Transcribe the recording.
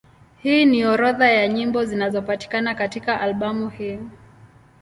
Hii ni orodha ya nyimbo zinazopatikana katika albamu hii.